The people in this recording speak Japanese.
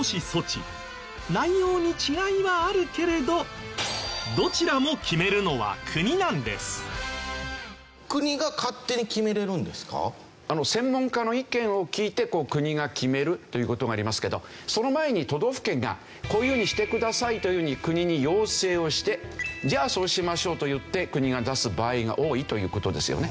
内容に違いはあるけれどどちらも決めるのは国なんです。という事がありますけどその前に都道府県がこういうふうにしてくださいというように国に要請をしてじゃあそうしましょうと言って国が出す場合が多いという事ですよね。